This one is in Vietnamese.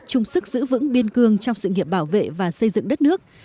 chung sức giữ vững biên cương trong sự nghiệp bảo vệ và xây dựng đất nước